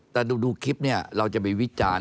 แต่ดูคลิปเนี่ยเราจะไปวิจารณ์